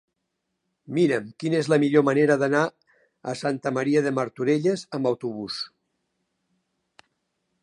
Mira'm quina és la millor manera d'anar a Santa Maria de Martorelles amb autobús.